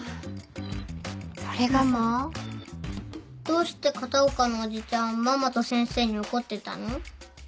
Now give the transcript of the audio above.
どうして片岡のおじちゃんママと先生に怒ってたの？